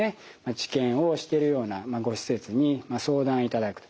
治験をしてるようなご施設に相談いただくと。